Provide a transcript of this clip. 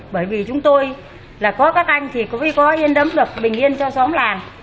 bởi vì chúng tôi là có các anh thì có yên đấm lực bình yên cho xóm làng